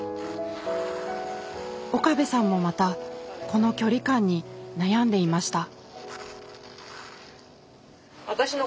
岡部さんもまたこの距離感に悩んでいました。